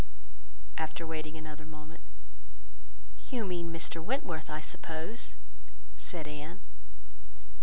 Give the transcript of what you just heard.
After waiting another moment— "You mean Mr Wentworth, I suppose?" said Anne.